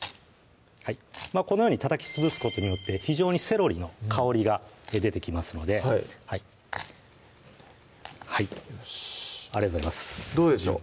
このように叩き潰すことによって非常にセロリの香りが出てきますのではいよしありがとうございますどうでしょう？